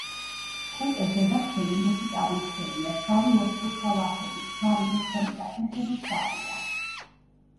ხოჭოს ზედა ფრთები მუქი წაბლისფერია შავი ოთხკუთხა ლაქებით, თავი, მუცელი და ფეხები შავია.